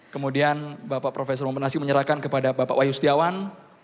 kemudian bapak profesor mumpenasi menyerahkan kepada bapak wayu setiawan